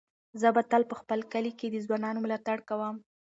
زه به تل په خپل کلي کې د ځوانانو ملاتړ کوم.